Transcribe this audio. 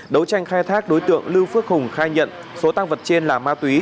đấu tranh khai thác đối tượng lưu phước hùng khai nhận số tăng vật trên là ma túy